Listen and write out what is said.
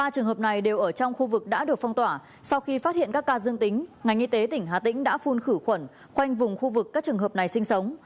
ba trường hợp này đều ở trong khu vực đã được phong tỏa sau khi phát hiện các ca dương tính ngành y tế tỉnh hà tĩnh đã phun khử khuẩn khoanh vùng khu vực các trường hợp này sinh sống